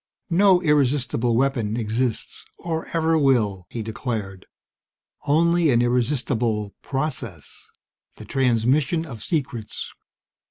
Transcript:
"No irresistible weapon exists, or ever will!" he declared. "Only an irresistible process the transmission of secrets!